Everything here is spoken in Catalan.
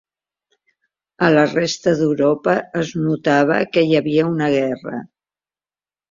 A la resta d'Europa es notava que hi havia una guerra.